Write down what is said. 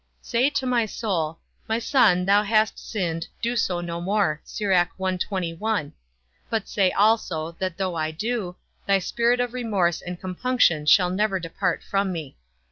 Say to my soul, My son, thou hast sinned, do so no more; but say also, that though I do, thy spirit of remorse and compunction shall never depart from me.